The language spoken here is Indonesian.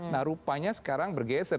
nah rupanya sekarang bergeser